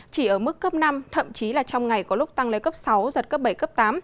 chỉ ở mức cấp năm thậm chí là trong ngày có lúc tăng lên cấp sáu giật cấp bảy cấp tám